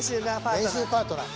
練習パートナー？